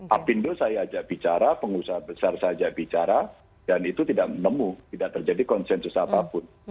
apindo saya ajak bicara pengusaha besar saja bicara dan itu tidak menemu tidak terjadi konsensus apapun